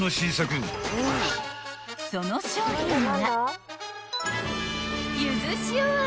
［その商品が］